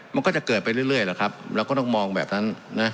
มันก็จะเกิดไปเรื่อยแหละครับเราก็ต้องมองแบบนั้นนะ